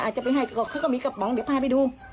จะไปให้เขาก็มีกระป๋องเดี๋ยวพาไปดู